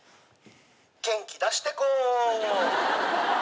元気出してこ。